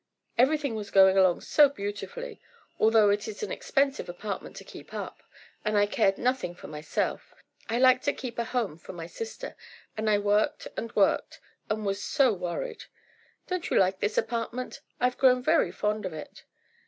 "Everything was going along so beautifully, although it is an expensive apartment to keep up, and I cared nothing for myself, I like to keep a home for my sister, and I worked and worked, and was so worried. Don't you like this apartment? I've grown very fond of it."